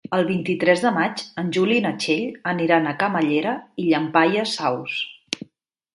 El vint-i-tres de maig en Juli i na Txell aniran a Camallera i Llampaies Saus.